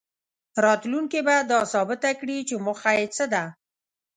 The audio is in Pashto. راتلونکې به دا ثابته کړي چې موخه یې څه ده.